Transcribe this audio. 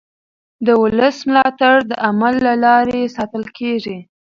د ولس ملاتړ د عمل له لارې ساتل کېږي